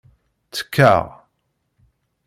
Ttekkaɣ.